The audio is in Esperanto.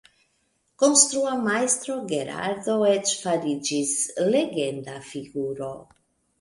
Konstrua Majstro Gerardo eĉ fariĝis legenda figuro.